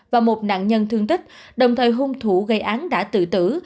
và một nạn nhân thương tích đồng thời hung thủ gây án đã tự tử